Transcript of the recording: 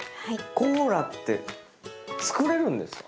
コーラって作れるんですか？